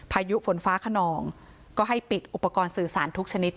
พายุฝนฟ้าขนองก็ให้ปิดอุปกรณ์สื่อสารทุกชนิด